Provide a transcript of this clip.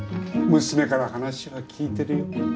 娘から話は聞いてるよ。